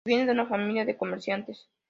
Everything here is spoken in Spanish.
Proviene de una familia de comerciantes.